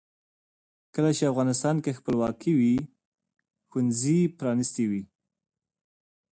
کله چې افغانستان کې ولسواکي وي ښوونځي پرانیستي وي.